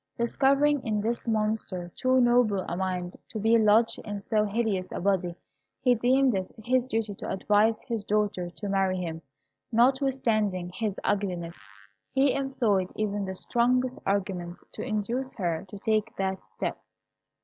Discovering in this Monster too noble a mind to be lodged in so hideous a body, he deemed it his duty to advise his daughter to marry him, notwithstanding his ugliness. He employed even the strongest arguments to induce her to take that step.